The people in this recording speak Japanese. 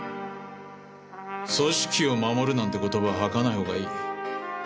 組織を守るなんて言葉吐かない方がいい。